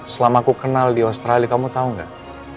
selama aku kenal di australia kamu tahu gak